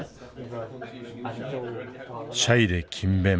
シャイで勤勉。